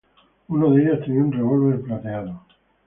Uno de ellos tenía un revólver plateado.